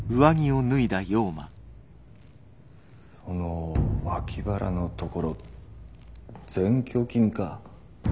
その脇腹のところ「前鋸筋」か？